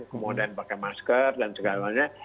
kemudian pakai masker dan segala lainnya